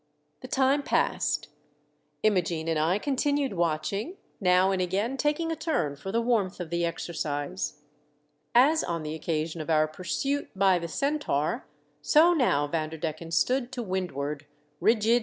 The time passed. Imogene and I con tinued watching, now and again taking a turn for the warmth of the exercise. As on the occasion of our pursuit by the Centaur, so now Vanderdecken stood to windward, rioid WE SIGHT A SAIL.